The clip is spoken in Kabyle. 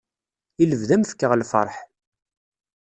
I lebda ad am fkeɣ lferḥ.